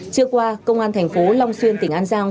trưa qua công an thành phố long xuyên tỉnh an giang